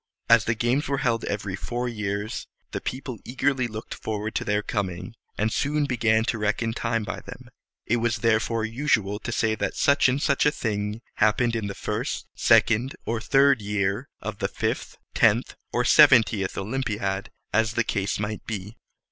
As the games were held every four years, the people eagerly looked forward to their coming, and soon began to reckon time by them. It was therefore usual to say that such and such a thing happened in the first, second, or third year of the fifth, tenth, or seventieth O lym´pi ad, as the case might be.